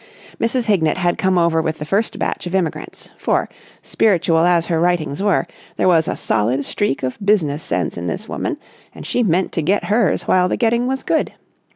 Mrs. Hignett had come over with the first batch of immigrants; for, spiritual as her writings were, there was a solid streak of business sense in this woman, and she meant to get hers while the getting was good.